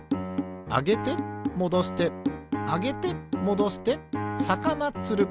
あげてもどしてあげてもどしてさかなつる。